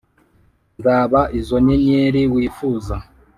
nzaba izo nyenyeri wifuza